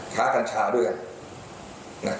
ท้ากัญชาด้วยกัน